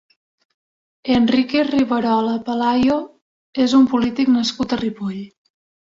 Enrique Riverola Pelayo és un polític nascut a Ripoll.